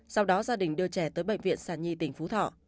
sau đó gia đình đưa trẻ tới bệnh viện sản nhi tỉnh phú thọ